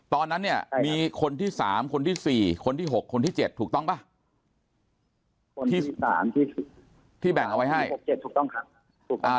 ตอนนั้นเนี่ยมีคนที่๓คนที่๔คนที่๖คนที่๗ถูกต้องป่ะ